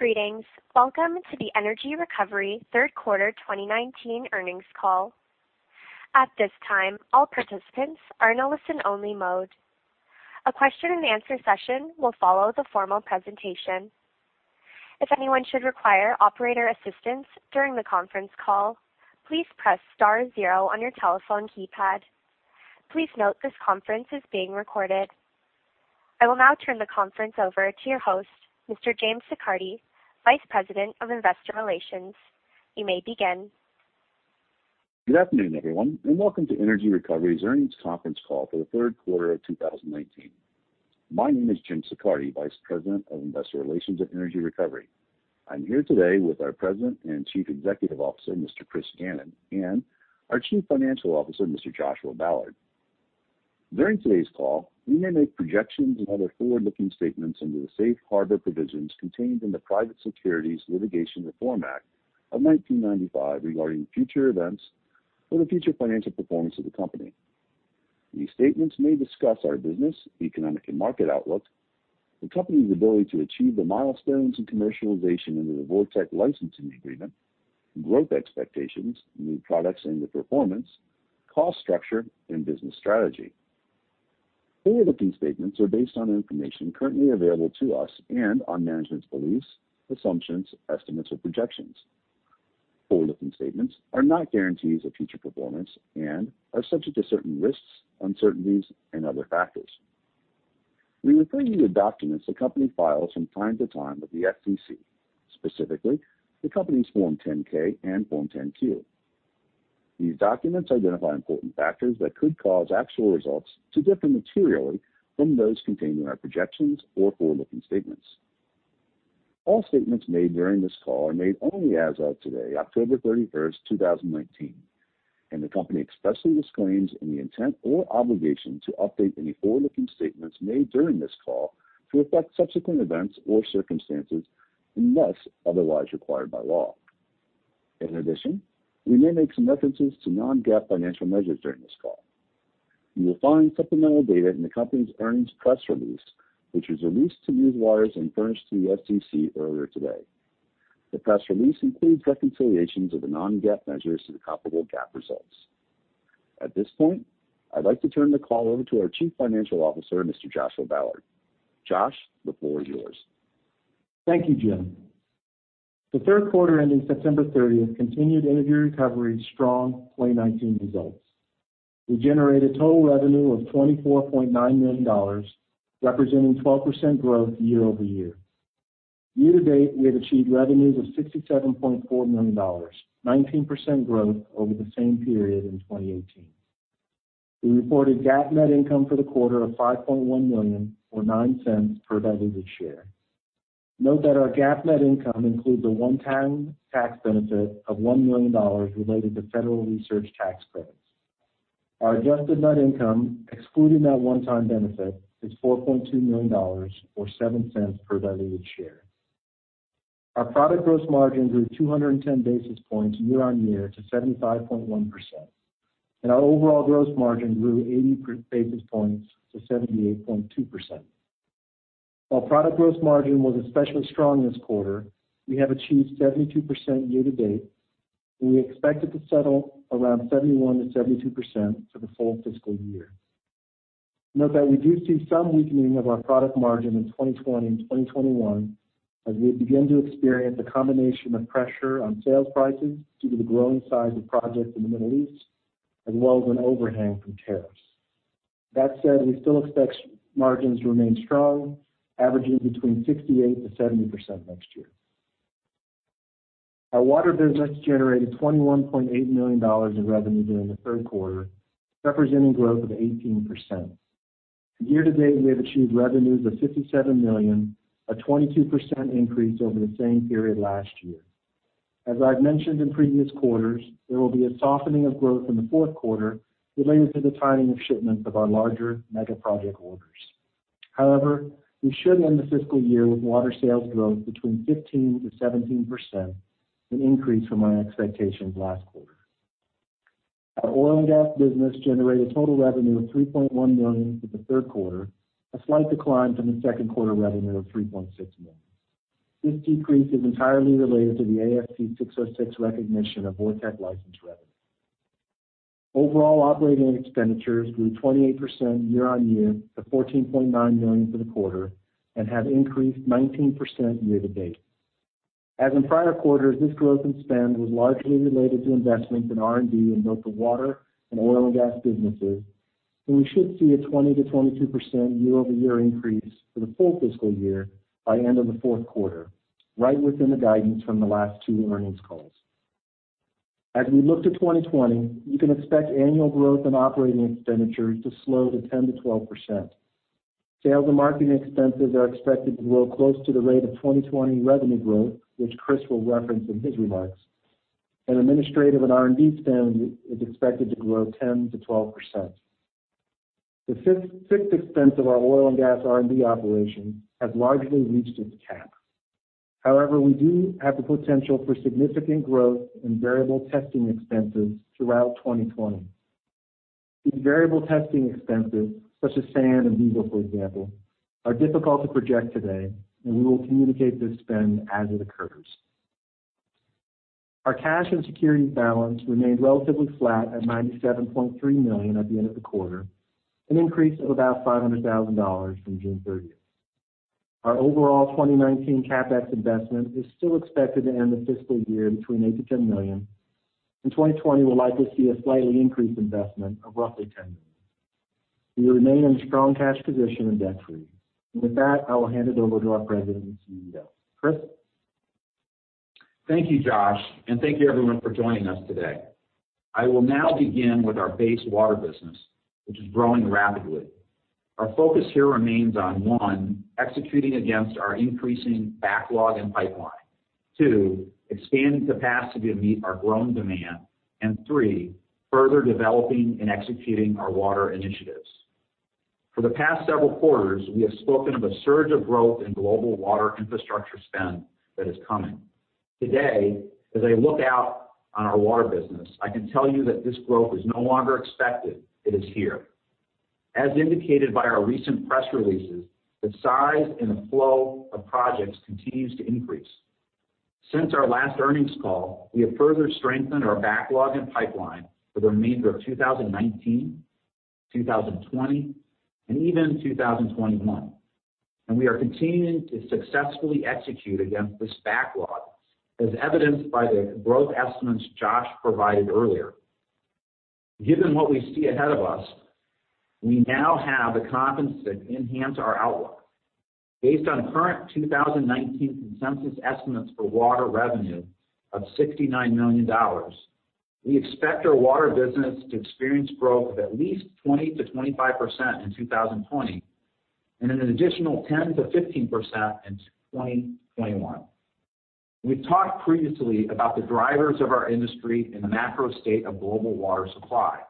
Greetings. Welcome to the Energy Recovery third quarter 2019 earnings call. At this time, all participants are in a listen only mode. A question and answer session will follow the formal presentation. If anyone should require operator assistance during the conference call, please press star zero on your telephone keypad. Please note this conference is being recorded. I will now turn the conference over to your host, Mr. James Siccardi, Vice President of Investor Relations. You may begin. Good afternoon, everyone, and welcome to Energy Recovery's earnings conference call for the third quarter of 2019. My name is Jim Siccardi, Vice President of Investor Relations at Energy Recovery. I'm here today with our President and Chief Executive Officer, Mr. Chris Gannon, and our Chief Financial Officer, Mr. Joshua Ballard. During today's call, we may make projections and other forward-looking statements under the Safe Harbor provisions contained in the Private Securities Litigation Reform Act of 1995 regarding future events or the future financial performance of the company. These statements may discuss our business, economic, and market outlook, the company's ability to achieve the milestones and commercialization under the VorTeq licensing agreement, growth expectations, new products and their performance, cost structure, and business strategy. Forward-looking statements are based on information currently available to us and on management's beliefs, assumptions, estimates, or projections. Forward-looking statements are not guarantees of future performance and are subject to certain risks, uncertainties, and other factors. We refer you to documents the company files from time to time with the SEC, specifically the company's Form 10-K and Form 10-Q. These documents identify important factors that could cause actual results to differ materially from those contained in our projections or forward-looking statements. All statements made during this call are made only as of today, October 31st, 2019, and the company expressly disclaims any intent or obligation to update any forward-looking statements made during this call to reflect subsequent events or circumstances, unless otherwise required by law. In addition, we may make some references to non-GAAP financial measures during this call. You will find supplemental data in the company's earnings press release, which was released to newswires and furnished to the SEC earlier today. The press release includes reconciliations of the non-GAAP measures to the comparable GAAP results. At this point, I'd like to turn the call over to our Chief Financial Officer, Mr. Joshua Ballard. Josh, the floor is yours. Thank you, Jim. The third quarter ending September 30th continued Energy Recovery's strong 2019 results. We generated total revenue of $24.9 million, representing 12% growth year-over-year. Year to date, we have achieved revenues of $67.4 million, 19% growth over the same period in 2018. We reported GAAP net income for the quarter of $5.1 million, or $0.09 per diluted share. Note that our GAAP net income includes a one-time tax benefit of $1 million related to federal research tax credits. Our adjusted net income, excluding that one-time benefit, is $4.2 million, or $0.07 per diluted share. Our product gross margin grew 210 basis points year-on-year to 75.1%, and our overall gross margin grew 80 basis points to 78.2%. While product gross margin was especially strong this quarter, we have achieved 72% year to date. We expect it to settle around 71%-72% for the full fiscal year. Note that we do see some weakening of our product margin in 2020 and 2021 as we begin to experience a combination of pressure on sales prices due to the growing size of projects in the Middle East, as well as an overhang from tariffs. That said, we still expect margins to remain strong, averaging between 68%-70% next year. Our water business generated $21.8 million in revenue during the third quarter, representing growth of 18%. Year to date, we have achieved revenues of $57 million, a 22% increase over the same period last year. As I've mentioned in previous quarters, there will be a softening of growth in the fourth quarter related to the timing of shipments of our larger mega-project orders. However, we should end the fiscal year with water sales growth between 15%-17%, an increase from our expectations last quarter. Our oil and gas business generated total revenue of $3.1 million for the third quarter, a slight decline from the second quarter revenue of $3.6 million. This decrease is entirely related to the ASC 606 recognition of VorTeq license revenue. Overall operating expenditures grew 28% year on year to $14.9 million for the quarter and have increased 19% year to date. As in prior quarters, this growth in spend was largely related to investments in R&D in both the water and oil and gas businesses, we should see a 20%-22% year-over-year increase for the full fiscal year by end of the fourth quarter, right within the guidance from the last two earnings calls. As we look to 2020, you can expect annual growth in operating expenditures to slow to 10%-12%. Sales and marketing expenses are expected to grow close to the rate of 2020 revenue growth, which Chris will reference in his remarks, administrative and R&D spend is expected to grow 10%-12%. The fixed expense of our oil and gas R&D operation has largely reached its cap. However, we do have the potential for significant growth in variable testing expenses throughout 2020. These variable testing expenses, such as sand and diesel, for example, are difficult to project today, and we will communicate this spend as it occurs. Our cash and securities balance remained relatively flat at $97.3 million at the end of the quarter, an increase of about $500,000 from June 30th. Our overall 2019 CapEx investment is still expected to end the fiscal year between $8 million-$10 million. In 2020, we'll likely see a slightly increased investment of roughly $10 million. We remain in a strong cash position and debt-free. With that, I will hand it over to our President and Chief Executive Officer. Chris? Thank you, Josh, and thank you, everyone, for joining us today. I will now begin with our base water business, which is growing rapidly. Our focus here remains on, one, executing against our increasing backlog and pipeline. Two, expanding capacity to meet our growing demand, and three, further developing and executing our water initiatives. For the past several quarters, we have spoken of a surge of growth in global water infrastructure spend that is coming. Today, as I look out on our water business, I can tell you that this growth is no longer expected. It is here. As indicated by our recent press releases, the size and the flow of projects continues to increase. Since our last earnings call, we have further strengthened our backlog and pipeline for the remainder of 2019, 2020, and even 2021. We are continuing to successfully execute against this backlog, as evidenced by the growth estimates Joshua provided earlier. Given what we see ahead of us, we now have the confidence to enhance our outlook. Based on current 2019 consensus estimates for water revenue of $69 million, we expect our water business to experience growth of at least 20%-25% in 2020 and an additional 10%-15% in 2021. We've talked previously about the drivers of our industry in the macro state of global water supply.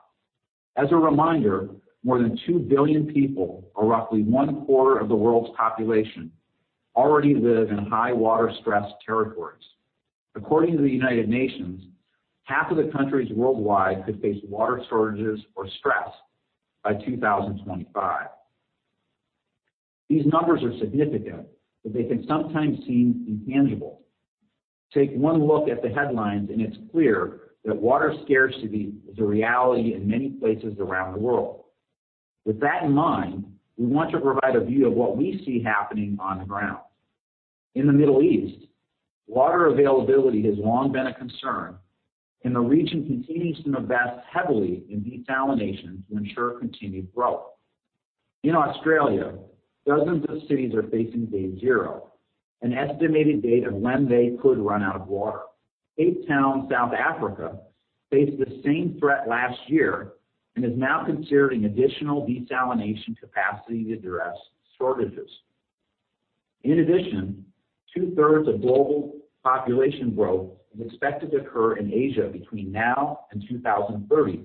As a reminder, more than 2 billion people, or roughly one-quarter of the world's population, already live in high water-stressed territories. According to the United Nations, half of the countries worldwide could face water shortages or stress by 2025. These numbers are significant, but they can sometimes seem intangible. Take one look at the headlines, and it's clear that water scarcity is a reality in many places around the world. With that in mind, we want to provide a view of what we see happening on the ground. In the Middle East, water availability has long been a concern, and the region continues to invest heavily in desalination to ensure continued growth. In Australia, dozens of cities are facing day zero, an estimated date of when they could run out of water. Cape Town, South Africa, faced the same threat last year and is now considering additional desalination capacity to address shortages. In addition, two-thirds of global population growth is expected to occur in Asia between now and 2030,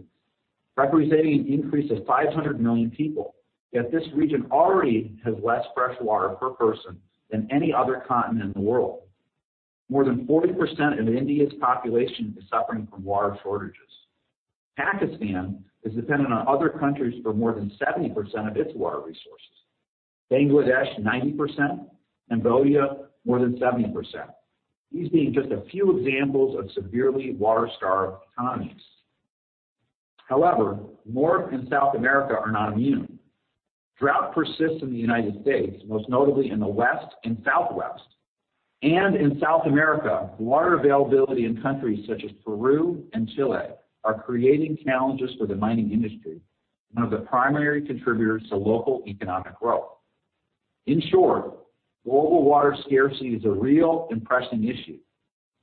representing an increase of 500 million people. Yet this region already has less fresh water per person than any other continent in the world. More than 40% of India's population is suffering from water shortages. Pakistan is dependent on other countries for more than 70% of its water resources, Bangladesh 90%, Zambia more than 70%. These being just a few examples of severely water-starved economies. However, North and South America are not immune. Drought persists in the U.S., most notably in the West and Southwest. In South America, water availability in countries such as Peru and Chile are creating challenges for the mining industry, one of the primary contributors to local economic growth. In short, global water scarcity is a real and pressing issue,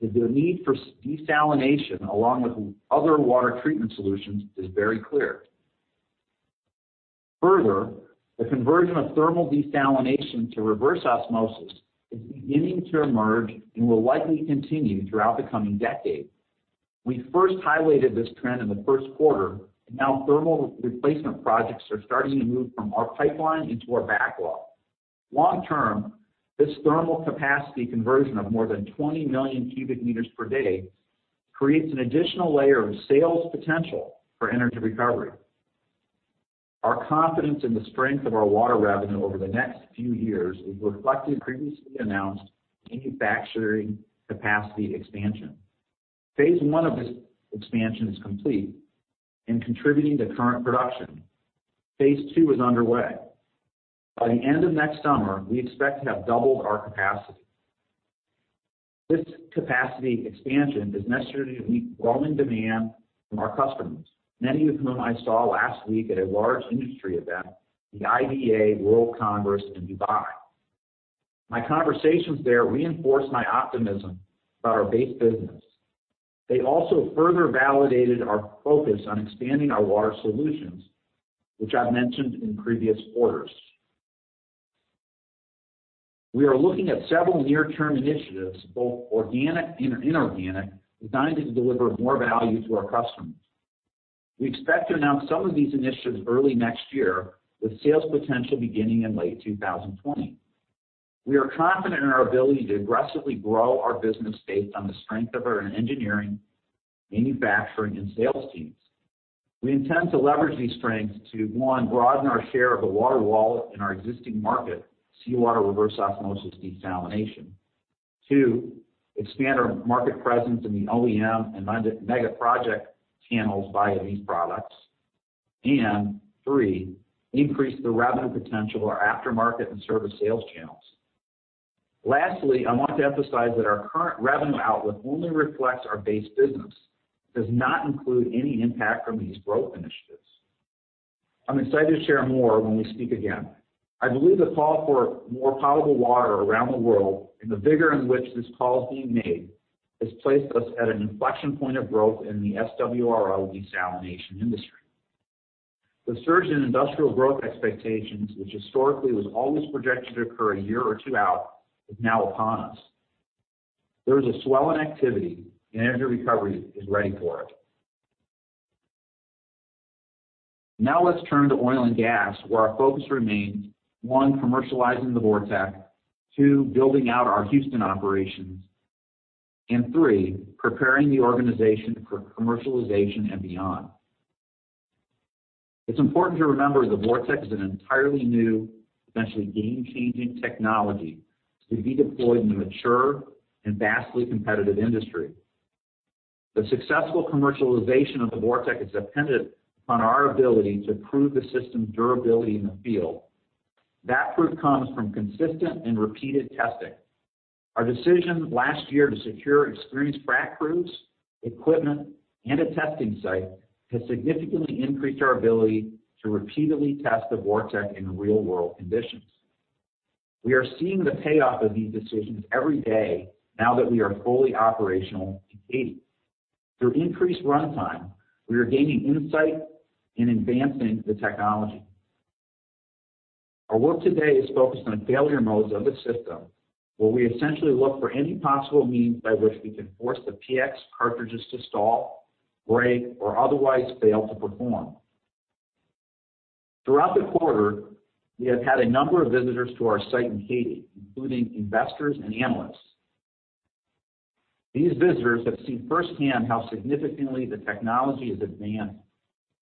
and the need for desalination, along with other water treatment solutions, is very clear. Further, the conversion of thermal desalination to reverse osmosis is beginning to emerge and will likely continue throughout the coming decade. We first highlighted this trend in the first quarter. Thermal replacement projects are starting to move from our pipeline into our backlog. Long-term, this thermal capacity conversion of more than 20 million cubic meters per day creates an additional layer of sales potential for Energy Recovery. Our confidence in the strength of our water revenue over the next few years is reflected in previously announced manufacturing capacity expansion. Phase 1 of this expansion is complete and contributing to current production. Phase 2 is underway. By the end of next summer, we expect to have doubled our capacity. This capacity expansion is necessary to meet growing demand from our customers, many of whom I saw last week at a large industry event, the IDA World Congress in Dubai. My conversations there reinforced my optimism about our base business. They also further validated our focus on expanding our water solutions, which I've mentioned in previous quarters. We are looking at several near-term initiatives, both organic and inorganic, designed to deliver more value to our customers. We expect to announce some of these initiatives early next year, with sales potential beginning in late 2020. We are confident in our ability to aggressively grow our business based on the strength of our engineering, manufacturing, and sales teams. We intend to leverage these strengths to, one, broaden our share of the water wallet in our existing market, seawater reverse osmosis desalination. Two, expand our market presence in the OEM and mega project channels via these products. And three, increase the revenue potential of our aftermarket and service sales channels. Lastly, I want to emphasize that our current revenue outlook only reflects our base business. It does not include any impact from these growth initiatives. I'm excited to share more when we speak again. I believe the call for more potable water around the world, and the vigor in which this call is being made, has placed us at an inflection point of growth in the SWRO desalination industry. The surge in industrial growth expectations, which historically was always projected to occur a year or two out, is now upon us. There is a swell in activity. Energy Recovery is ready for it. Let's turn to oil and gas, where our focus remains, one, commercializing the VorTeq. Two, building out our Houston operations. Three, preparing the organization for commercialization and beyond. It's important to remember the VorTeq is an entirely new, potentially game-changing technology to be deployed in a mature and vastly competitive industry. The successful commercialization of the VorTeq is dependent on our ability to prove the system's durability in the field. That proof comes from consistent and repeated testing. Our decision last year to secure experienced frac crews, equipment, and a testing site has significantly increased our ability to repeatedly test the VorTeq in real-world conditions. We are seeing the payoff of these decisions every day now that we are fully operational in Katy. Through increased runtime, we are gaining insight and advancing the technology. Our work today is focused on failure modes of the system, where we essentially look for any possible means by which we can force the PX cartridges to stall, break, or otherwise fail to perform. Throughout the quarter, we have had a number of visitors to our site in Katy, including investors and analysts. These visitors have seen firsthand how significantly the technology has advanced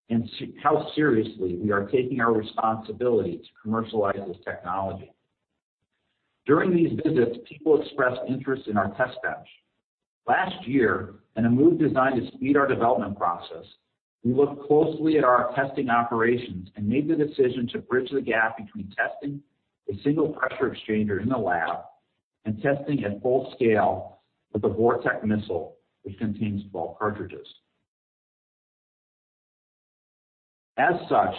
and how seriously we are taking our responsibility to commercialize this technology. During these visits, people expressed interest in our test bench. Last year, in a move designed to speed our development process, we looked closely at our testing operations and made the decision to bridge the gap between testing a single pressure exchanger in the lab and testing at full scale with a VorTeq missile, which contains 12 cartridges. As such,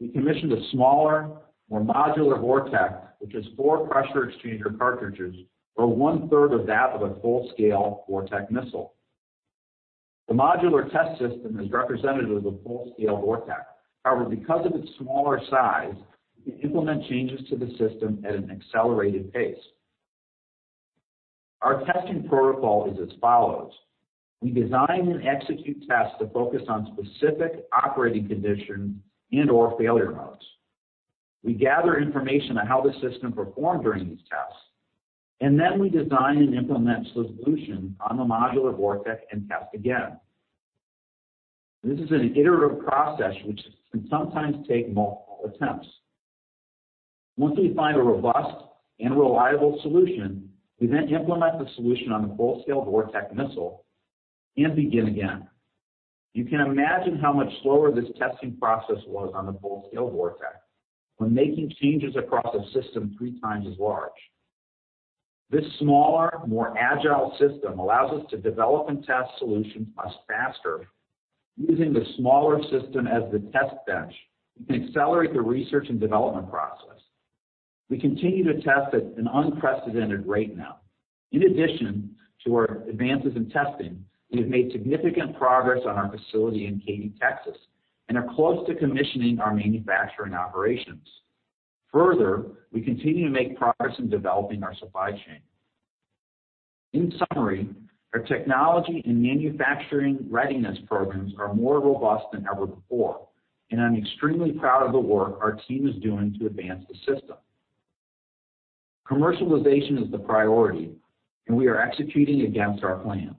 we commissioned a smaller, more modular VorTeq, which has four pressure exchanger cartridges, or one-third of that of a full-scale VorTeq missile. The modular test system is representative of the full-scale VorTeq. However, because of its smaller size, we implement changes to the system at an accelerated pace. Our testing protocol is as follows. We design and execute tests that focus on specific operating conditions and/or failure modes. We gather information on how the system performed during these tests, and then we design and implement solutions on the modular VorTeq and test again. This is an iterative process which can sometimes take multiple attempts. Once we find a robust and reliable solution, we then implement the solution on the full-scale VorTeq missile and begin again. You can imagine how much slower this testing process was on the full-scale VorTeq when making changes across a system three times as large. This smaller, more agile system allows us to develop and test solutions much faster. Using the smaller system as the test bench, we can accelerate the research and development process. We continue to test at an unprecedented rate now. In addition to our advances in testing, we have made significant progress on our facility in Katy, Texas, and are close to commissioning our manufacturing operations. Further, we continue to make progress in developing our supply chain. In summary, our technology and manufacturing readiness programs are more robust than ever before, and I'm extremely proud of the work our team is doing to advance the system. Commercialization is the priority, and we are executing against our plan.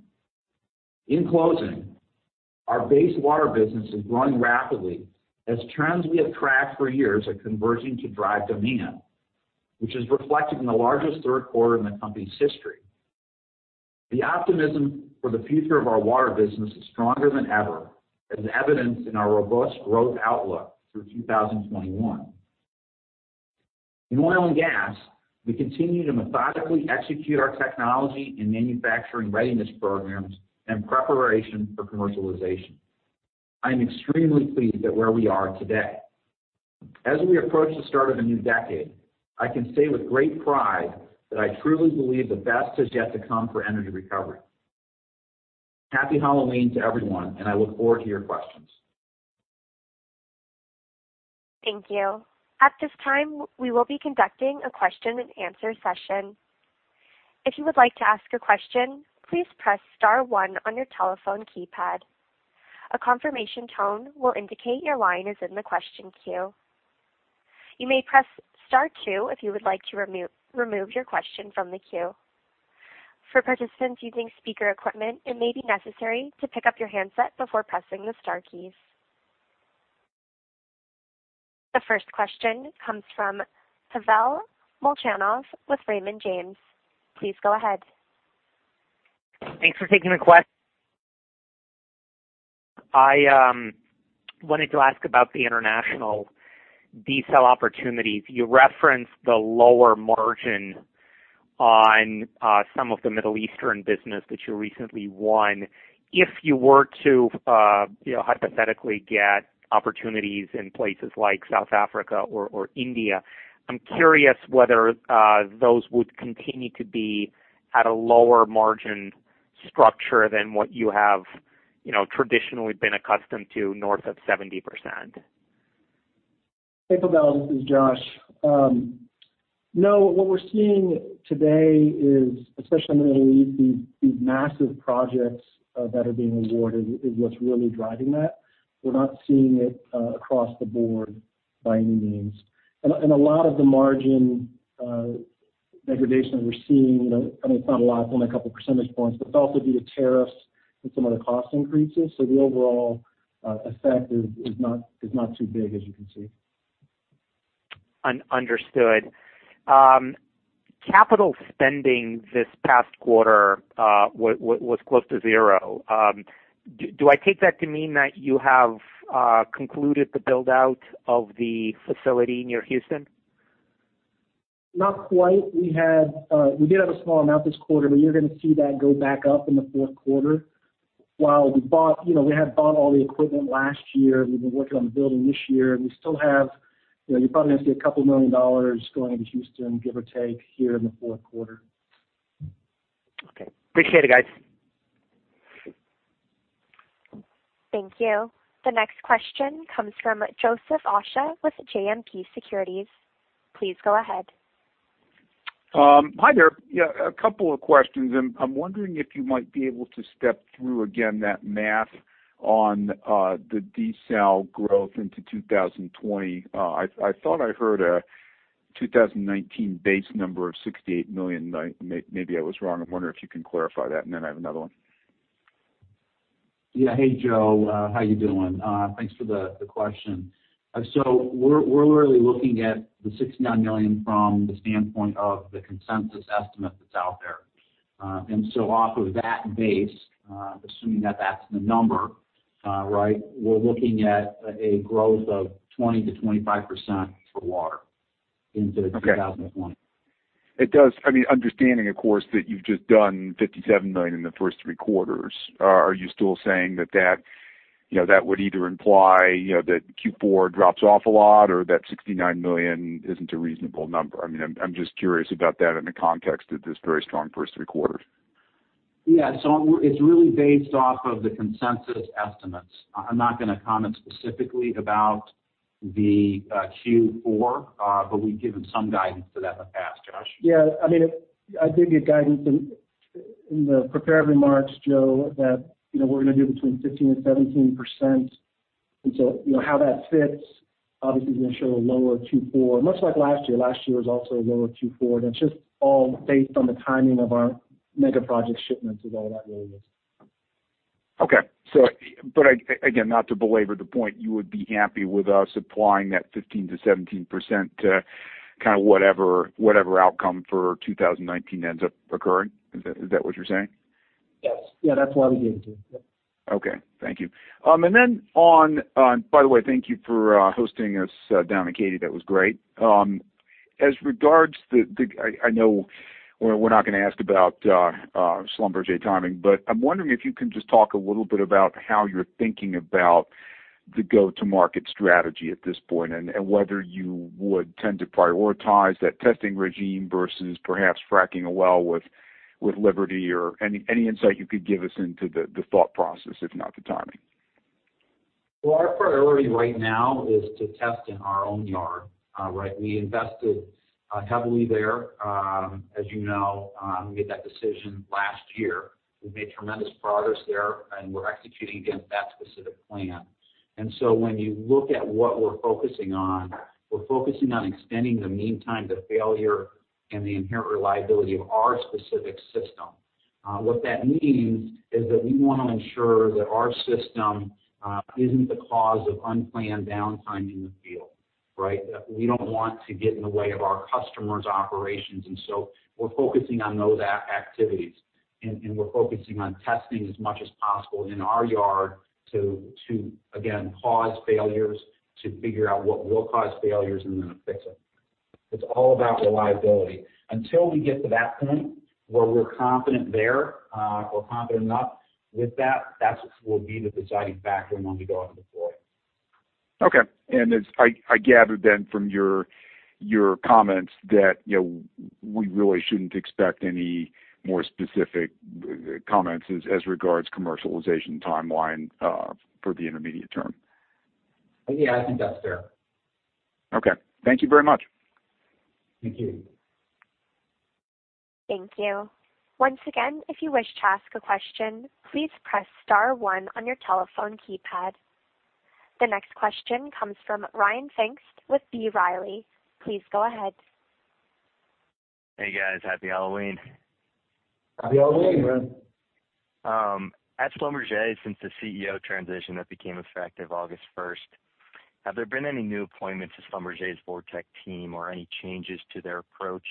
In closing, our base water business is growing rapidly as trends we have tracked for years are converging to drive demand, which is reflected in the largest third quarter in the company's history. The optimism for the future of our water business is stronger than ever, as evidenced in our robust growth outlook through 2021. In oil and gas, we continue to methodically execute our technology and manufacturing readiness programs in preparation for commercialization. I am extremely pleased at where we are today. As we approach the start of a new decade, I can say with great pride that I truly believe the best is yet to come for Energy Recovery. Happy Halloween to everyone, and I look forward to your questions. Thank you. At this time, we will be conducting a question and answer session. If you would like to ask a question, please press star one on your telephone keypad. A confirmation tone will indicate your line is in the question queue. You may press star two if you would like to remove your question from the queue. For participants using speaker equipment, it may be necessary to pick up your handset before pressing the star keys. The first question comes from Pavel Molchanov with Raymond James. Please go ahead. Thanks for taking the question. I wanted to ask about the international desal opportunities. You referenced the lower margin on some of the Middle Eastern business that you recently won. If you were to hypothetically get opportunities in places like South Africa or India, I'm curious whether those would continue to be at a lower margin structure than what you have traditionally been accustomed to north of 70%. Hey, Pavel, this is Josh. No, what we're seeing today is, especially in the Middle East, these massive projects that are being awarded is what's really driving that. We're not seeing it across the board by any means. A lot of the margin degradation that we're seeing, I mean, it's not a lot, only a couple of percentage points, but it's also due to tariffs and some other cost increases. The overall effect is not too big as you can see. Understood. Capital spending this past quarter was close to zero. Do I take that to mean that you have concluded the build-out of the facility near Houston? Not quite. We did have a small amount this quarter, but you're going to see that go back up in the fourth quarter. While we had bought all the equipment last year, and we've been working on the building this year, and you're probably going to see a couple million USD going into Houston, give or take, here in the fourth quarter. Okay. Appreciate it, guys. Thank you. The next question comes from Joseph Osha with JMP Securities. Please go ahead. Hi there. Yeah, a couple of questions. I'm wondering if you might be able to step through again that math on the desal growth into 2020. I thought I heard a 2019 base number of $68 million. Maybe I was wrong. I wonder if you can clarify that, and then I have another one. Yeah. Hey, Joe. How you doing? Thanks for the question. We're really looking at the $69 million from the standpoint of the consensus estimate that's out there. Off of that base, assuming that that's the number, right, we're looking at a growth of 20% to 25% for water into 2020. Okay. It does. Understanding, of course, that you've just done $57 million in the first three quarters. Are you still saying that that would either imply that Q4 drops off a lot or that $69 million isn't a reasonable number? I'm just curious about that in the context of this very strong first three quarters. Yeah. It's really based off of the consensus estimates. I'm not going to comment specifically about the Q4, but we've given some guidance to that in the past, Josh. Yeah. I gave you guidance in the prepared remarks, Joe, that we're going to do between 15% and 17%. How that fits, obviously, is going to show a lower Q4, much like last year. Last year was also a lower Q4. It's just all based on the timing of our mega project shipments is all that really is. Okay. Again, not to belabor the point, you would be happy with us applying that 15%-17% to kind of whatever outcome for 2019 ends up occurring. Is that what you're saying? Yes. That's what we're getting to. Yep. Okay. Thank you. By the way, thank you for hosting us down in Katy. That was great. I know we're not going to ask about Schlumberger timing, but I'm wondering if you can just talk a little bit about how you're thinking about the go-to-market strategy at this point, and whether you would tend to prioritize that testing regime versus perhaps fracking a well with Liberty or any insight you could give us into the thought process, if not the timing. Well, our priority right now is to test in our own yard. We invested heavily there. As you know, we made that decision last year. We've made tremendous progress there, and we're executing against that specific plan. When you look at what we're focusing on, we're focusing on extending the mean time to failure and the inherent reliability of our specific system. What that means is that we want to ensure that our system isn't the cause of unplanned downtime in the field. We don't want to get in the way of our customers' operations. We're focusing on those activities, and we're focusing on testing as much as possible in our yard to, again, pause failures, to figure out what will cause failures, and then fix it. It's all about reliability. Until we get to that point where we're confident there, we're confident enough with that will be the deciding factor in when we go out and deploy. Okay. I gather then from your comments that we really shouldn't expect any more specific comments as regards commercialization timeline for the intermediate term? Yeah, I think that's fair. Okay. Thank you very much. Thank you. Thank you. Once again, if you wish to ask a question, please press star one on your telephone keypad. The next question comes from Ryan Pfingst with B. Riley. Please go ahead. Hey, guys. Happy Halloween. Happy Halloween, man. At Schlumberger, since the CEO transition that became effective August 1st, have there been any new appointments to Schlumberger's VorTeq team or any changes to their approach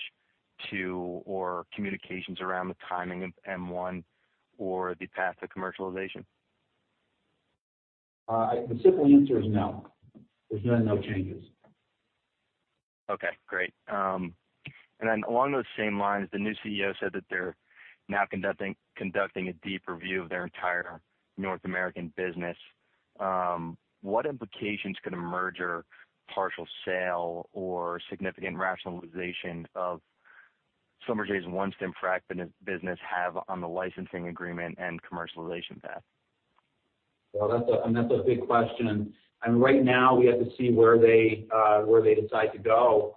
to, or communications around the timing of M1 or the path to commercialization? The simple answer is no. There's been no changes. Okay, great. Along those same lines, the new CEO said that they're now conducting a deep review of their entire North American business. What implications could a merger, partial sale, or significant rationalization of Schlumberger's OneStim frac business have on the licensing agreement and commercialization path? Well, that's a big question. Right now we have to see where they decide to go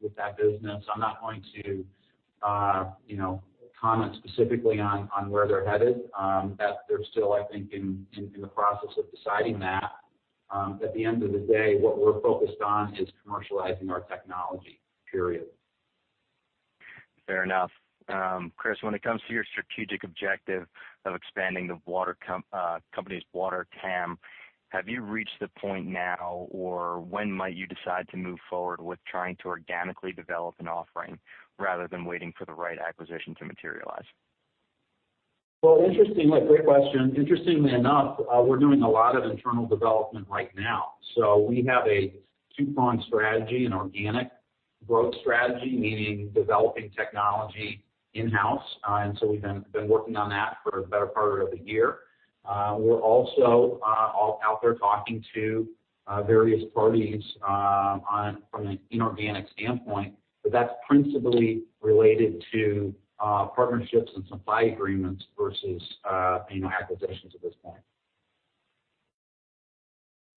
with that business. I'm not going to comment specifically on where they're headed. They're still, I think, in the process of deciding that. At the end of the day, what we're focused on is commercializing our technology, period. Fair enough. Chris, when it comes to your strategic objective of expanding the company's water TAM, have you reached the point now, or when might you decide to move forward with trying to organically develop an offering rather than waiting for the right acquisition to materialize? Great question. Interestingly enough, we're doing a lot of internal development right now. We have a two-pronged strategy, an organic growth strategy, meaning developing technology in-house. We've been working on that for the better part of the year. We're also out there talking to various parties from an inorganic standpoint, but that's principally related to partnerships and supply agreements versus acquisitions at this point.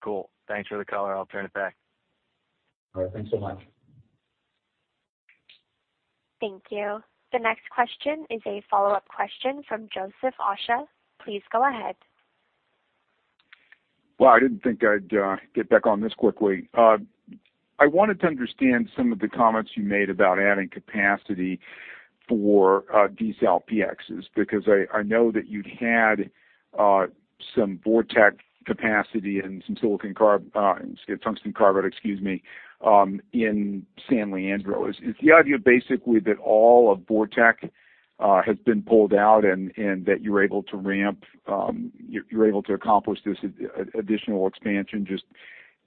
Cool. Thanks for the color. I'll turn it back. All right. Thanks so much. Thank you. The next question is a follow-up question from Joseph Osha. Please go ahead. Well, I didn't think I'd get back on this quickly. I wanted to understand some of the comments you made about adding capacity for desal PXs, because I know that you'd had some VorTeq capacity and some tungsten carbide in San Leandro. Is the idea basically that all of VorTeq has been pulled out and that you're able to accomplish this additional expansion just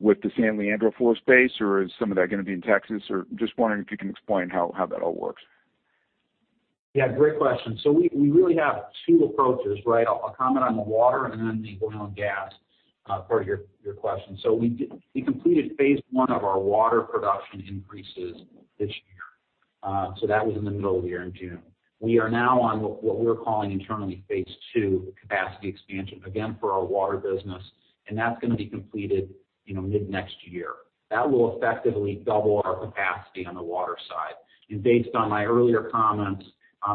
with the San Leandro floor space, or is some of that going to be in Texas? I'm just wondering if you can explain how that all works. Great question. We really have two approaches. I'll comment on the water and then the oil and gas part of your question. We completed phase 1 of our water production increases this year. That was in the middle of the year in June. We are now on what we're calling internally phase 2 capacity expansion, again, for our water business, and that's going to be completed mid-next year. That will effectively double our capacity on the water side. Based on my earlier comments,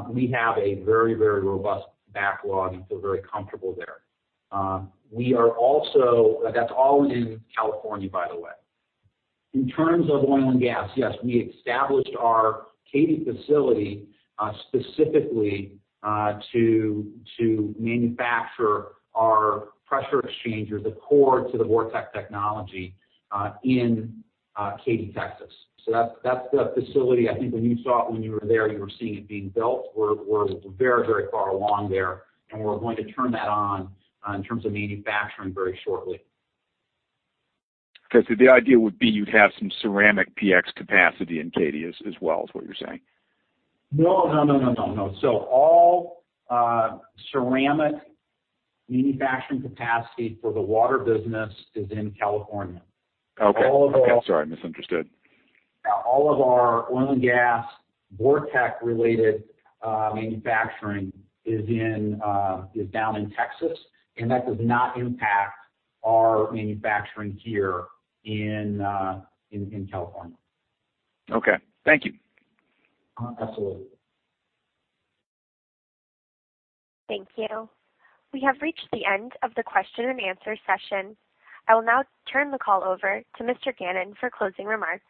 we have a very, very robust backlog and feel very comfortable there. That's all in California, by the way. In terms of oil and gas, yes, we established our Katy facility specifically to manufacture our pressure exchangers, the core to the VorTeq technology, in Katy, Texas. That's the facility I think when you saw it when you were there, you were seeing it being built. We're very far along there, and we're going to turn that on in terms of manufacturing very shortly. Okay, the idea would be you'd have some ceramic PX capacity in Katy as well, is what you're saying? No. All ceramic manufacturing capacity for the water business is in California. Okay. Sorry, I misunderstood. All of our oil and gas VorTeq related manufacturing is down in Texas, and that does not impact our manufacturing here in California. Okay. Thank you. Absolutely. Thank you. We have reached the end of the question and answer session. I will now turn the call over to Mr. Gannon for closing remarks.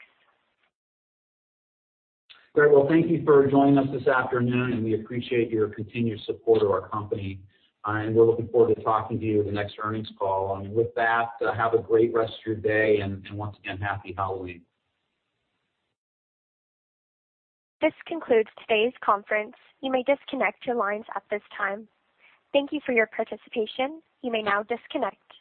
Great. Well, thank you for joining us this afternoon. We appreciate your continued support of our company. We're looking forward to talking to you the next earnings call. With that, have a great rest of your day, and once again, Happy Halloween. This concludes today's conference. You may disconnect your lines at this time. Thank you for your participation. You may now disconnect.